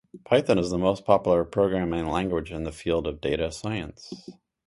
Python is the most popular programming language in the field of data science.